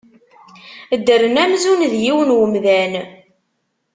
Ddren amzun d yiwen umdan.